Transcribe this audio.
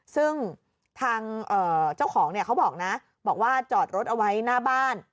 ซึ่งทางเจ้าของเนี่ยเขาบอกนะบอกว่าจอดรถเอาไว้หน้าบ้าน